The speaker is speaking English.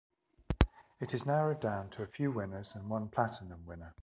It is narrowed down to a few winners and one Platinum winner.